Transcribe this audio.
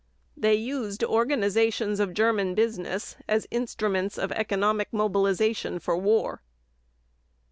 They used organizations of German business as instruments of economic mobilization for war.